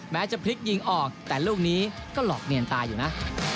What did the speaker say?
จะพลิกยิงออกแต่ลูกนี้ก็หลอกเนียนตายอยู่นะ